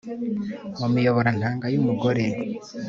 mu miyoborantanga yu mugore